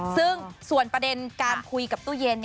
ซึ่งส่วนประเด็นการคุยกับตู้เย็น